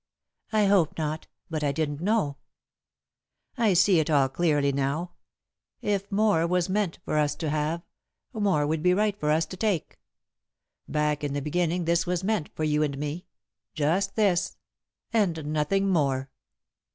"I hoped not, but I didn't know." "I see it all clearly now. If more was meant for us to have, more would be right for us to take. Back in the beginning this was meant for you and me just this, and nothing more."